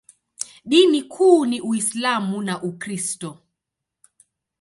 Dini kuu ni Uislamu na Ukristo.